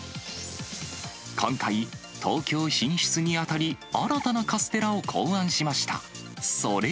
今回、東京進出にあたり、新たなカステラを考案しました。